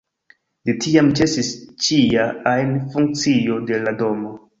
De tiam ĉesis ĉia ajn funkcio de la domo.